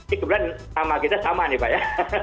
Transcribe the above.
ini kebetulan sama kita sama nih pak ya